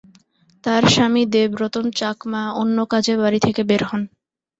তাঁর স্বামী দেব রতন চাকমা অন্য কাজে বাড়ি থেকে বের হন।